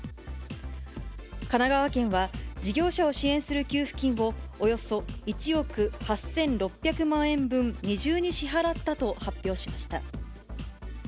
神奈川県は事業者を支援する給付金をおよそ１億８６００万円分二重に支払ったと発表しました。